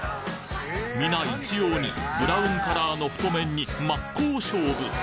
皆一様にブラウンカラーの太麺に真っ向勝負！